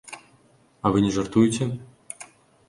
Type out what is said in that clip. А вы не жартуеце?